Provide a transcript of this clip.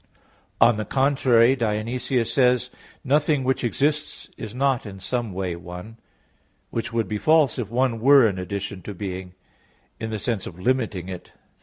On the contrary, Dionysius says (Div. Nom. 5, ult.): "Nothing which exists is not in some way one," which would be false if "one" were an addition to "being," in the sense of limiting it.